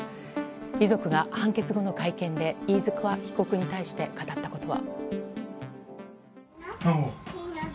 遺族が判決後の会見で飯塚被告に対して語ったことは。